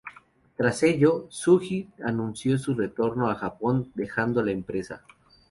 Tras ello, Sugi anunció su retorno a Japón, dejando la empresa.